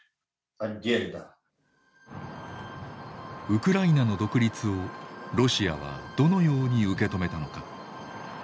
ウクライナの独立をロシアはどのように受け止めたのか。